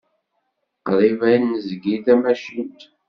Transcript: Qrib ay nezgil tamacint.